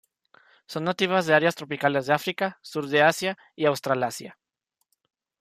Son nativas de áreas tropicales de África, sur de Asia y Australasia.